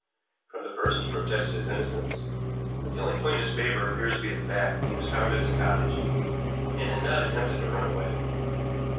From the first he protested his innocence, but the only point in his favor appears to be the fact that he was found at his cottage, and had not attempted to run away.